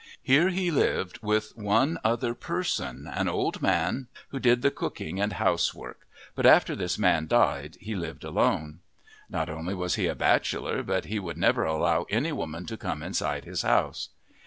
Here he lived with one other person, an old man who did the cooking and housework, but after this man died he lived alone. Not only was he a bachelor, but he would never allow any woman to come inside his house.